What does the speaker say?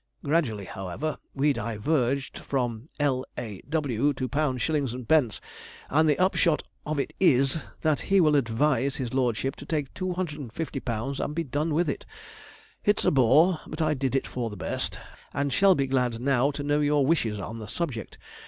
Gradually, however, we diverged from l a w to £ s. d.; and the upshot of it is, that he will advise his lordship to take £250 and be done with it. It's a bore; but I did it for the best, and shall be glad now to know your wishes on the subject.